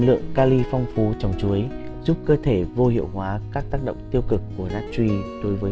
lượng cali phong phú trong chuối giúp cơ thể vô hiệu hóa các tác động tiêu cực của latri đối với